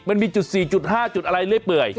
มันมีจุด๔๕จุดอะไรเรื่อยเปื่อย